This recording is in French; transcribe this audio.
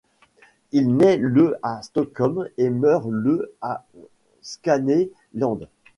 Il nait le à Stockholm et meurt le à Skåne län.